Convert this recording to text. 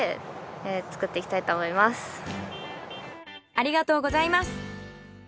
ありがとうございます。